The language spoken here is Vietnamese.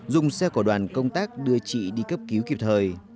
dùng xe của đoàn công tác đưa chị đi cấp cứu kịp thời